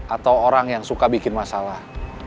atau orang yang suka bikin masalah